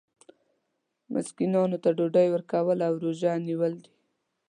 مسکینانو ته ډوډۍ ورکول او روژه نیول دي.